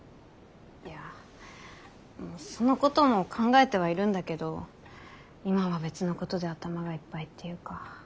いやそのことも考えてはいるんだけど今は別のことで頭がいっぱいっていうか。